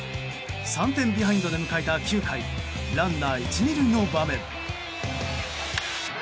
３点ビハインドで迎えた９回ランナー１、２塁の場面。